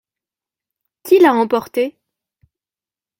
Qui l’a emporté ?